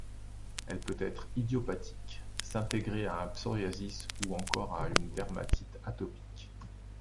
Elle peut être idiopathique, s'intégrer à un psoriasis ou encore à une dermatite atopique.